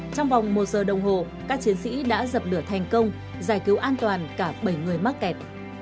trong vòng một giờ đồng hồ các chiến sĩ đã dập lửa thành công giải cứu an toàn cả bảy người mắc kẹt